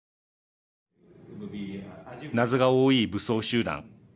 謎が多い武装集団。